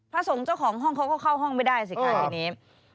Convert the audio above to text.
สงฆ์เจ้าของห้องเขาก็เข้าห้องไม่ได้สิคะทีนี้